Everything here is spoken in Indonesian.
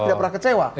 tidak pernah kecewa